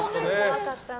怖かったな。